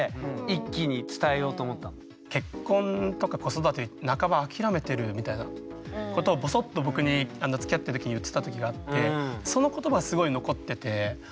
それ何で皓史さんはただのみたいなことをボソッと僕につきあってる時に言ってた時があってその言葉がすごい残ってて。